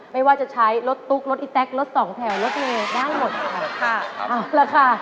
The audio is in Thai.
ไม่ว่าจะใช้รถตุ๊กรถอีแต๊กรถสองแถวรถเนวด้านหมดค่ะ